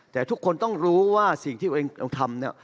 แต่ทุกคนต้องรู้ว่าสิ่งที่ตัวเองต้องทำเนี่ย